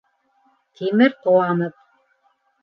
Тимер, ҡыуанып: